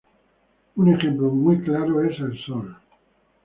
Un ejemplo muy claro es el Sol.